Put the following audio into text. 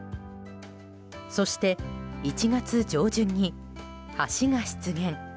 そして、１月上旬に橋が出現。